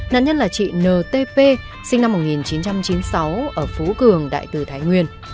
nạn nhân là chị ntp sinh năm một nghìn chín trăm chín mươi sáu ở phú cường đại từ thái nguyên